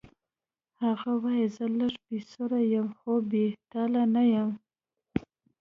هغه وایی زه لږ بې سره یم خو بې تاله نه یم